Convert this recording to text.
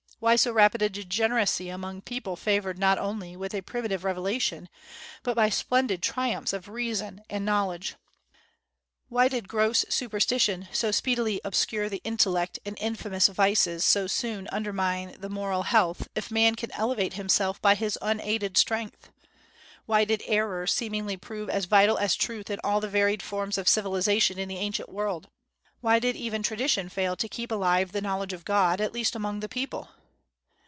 Why so rapid a degeneracy among people favored not only with a primitive revelation, but by splendid triumphs of reason and knowledge? Why did gross superstition so speedily obscure the intellect, and infamous vices so soon undermine the moral health, if man can elevate himself by his unaided strength? Why did error seemingly prove as vital as truth in all the varied forms of civilization in the ancient world? Why did even tradition fail to keep alive the knowledge of God, at least among the people?